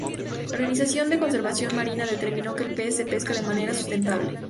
La Organización de Conservación Marina determinó que el pez se pesca de manera sustentable.